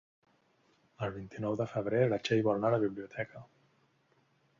El vint-i-nou de febrer na Txell vol anar a la biblioteca.